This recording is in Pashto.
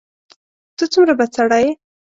ته څومره بد سړی یې !